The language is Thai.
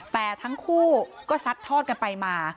แต่ทั้งคู่ก็ซัดทอดกันไปมา